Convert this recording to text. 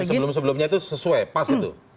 sebelum sebelumnya itu sesuai pas itu